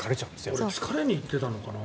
俺疲れに行ってたのかな？